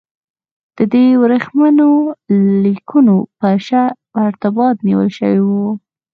دی د ورېښمینو لیکونو په ارتباط نیول شوی و.